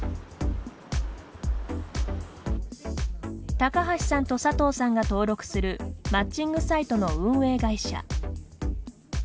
高橋さんと佐藤さんが登録するマッチングサイトの運営会社。